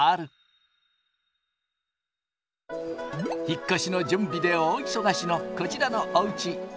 引っ越しの準備で大忙しのこちらのおうち。